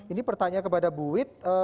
ini pertanyaan kepada bu wit